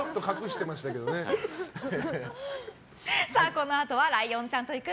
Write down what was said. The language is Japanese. このあとはライオンちゃんと行く！